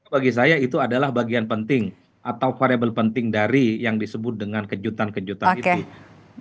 bagi saya itu adalah bagian penting atau variable penting dari yang disebut dengan kejutan kejutan itu